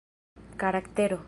karaktero